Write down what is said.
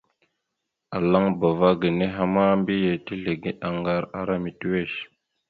Alaŋbava ge nehe ka mbiyez tezligeɗ aŋgar ara mitiʉwesh.